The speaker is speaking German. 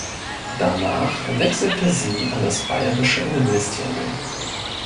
Danach wechselte sie an das Bayerische Innenministerium.